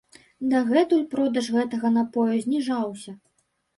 Дагэтуль продаж гэтага напою зніжаўся.